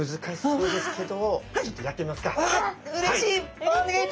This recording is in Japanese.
うれしい！